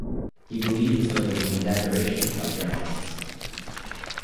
He believed the story was an exaggeration by journalists.